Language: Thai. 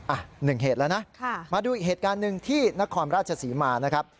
อ่ะหนึ่งเหตุแล้วนะมาดูอีกเหตุการณ์หนึ่งที่นครราชศรีมานะครับ